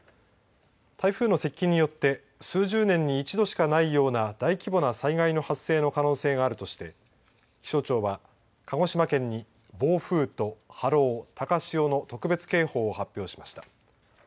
台風の接近によって数十年に一度しかないような大規模な災害の発生の可能性があるとして気象庁は鹿児島県に暴風と波浪高潮の特別警報を発表しました。